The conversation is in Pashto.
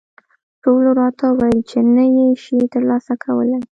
ټولو راته وویل چې نه یې شې ترلاسه کولای.